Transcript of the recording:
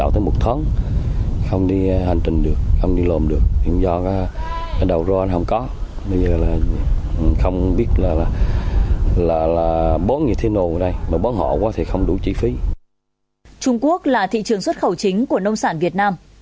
trung quốc là thị trường xuất khẩu chính của nông sản việt nam